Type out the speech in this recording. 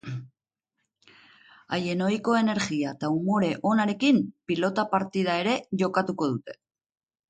Haien ohiko energia eta umore onarekin, pilota partida ere jokatuko dute.